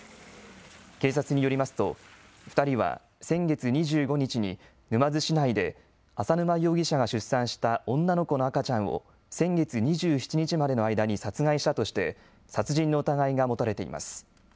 警察によりますと、２人は先月２５日に沼津市内で淺沼容疑者が出産した女の子の赤ちゃんを先月２７日までの間に殺害したとして殺人の疑いが持たれています。